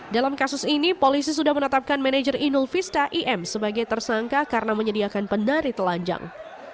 dalam kasus ini polisi sudah menetapkan manajer inul vista im sebagai tersangka karena menyediakan penari telanjang